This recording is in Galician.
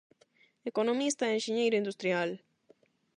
Economista e enxeñeiro industrial.